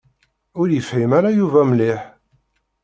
Ur yefhim ara Yuba mliḥ.